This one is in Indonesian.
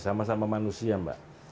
sama sama manusia mbak